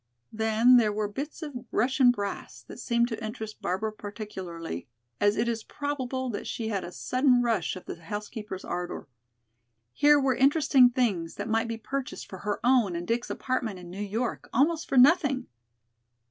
Then there were bits of Russian brass, that seemed to interest Barbara particularly, as it is probable that she had a sudden rush of the housekeeper's ardor. Here were interesting things that might be purchased for her own and Dick's apartment in New York almost for nothing!